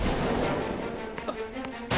あっ！